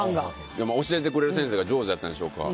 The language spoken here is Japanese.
教えてくれる先生が上手だったんでしょう。